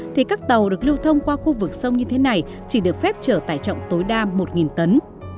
thì các tàu được lưu thông qua khu vực sông như thế này chỉ được phép trở tải trọng tối đa một tấn